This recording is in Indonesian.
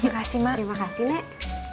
terima kasih mak